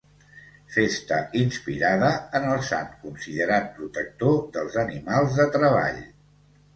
Festa inspirada en el sant, considerat protector dels animals de treball.